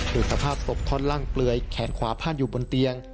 คือสภาพศพท่อนล่างเปลือยแขนขวาพาดอยู่บนเตียง